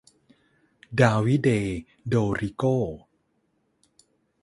ดาวิเด โดริโก้